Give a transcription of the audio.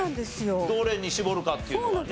どれに絞るかっていうのがね。